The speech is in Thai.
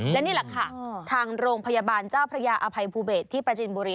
และนี่แหละค่ะทางโรงพยาบาลเจ้าพระยาอภัยภูเบศที่ประจินบุรี